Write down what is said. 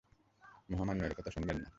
মহামান্য, ওর কথা শুনবেন না।